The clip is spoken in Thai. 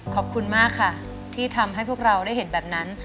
ขอบคุณมากค่ะที่ทำให้พวกเราได้เห็นแบบนั้น